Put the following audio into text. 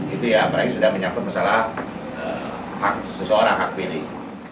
itu ya apalagi sudah menyangkut masalah hak seseorang hak pilih